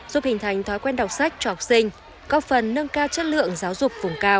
giúp hình thành thói quen đọc sách cho học sinh có phần nâng cao chất lượng giáo dục vùng cao